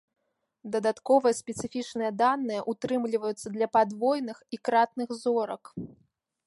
Дадатковыя спецыфічныя даныя ўтрымліваюцца для падвойных і кратных зорак.